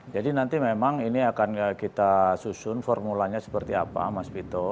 jadi nanti memang ini akan kita susun formulanya seperti apa mas vito